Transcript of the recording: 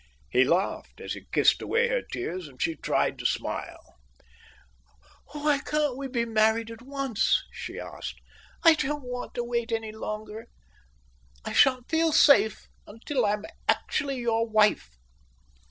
He laughed, as he kissed away her tears, and she tried to smile. "Why can't we be married at once?" she asked. "I don't want to wait any longer. I shan't feel safe till I'm actually your wife."